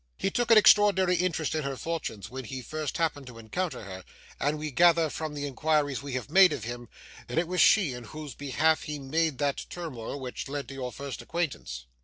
He took an extraordinary interest in her fortunes when he first happened to encounter her; and we gather from the inquiries we have made of him, that it was she in whose behalf he made that turmoil which led to your first acquaintance.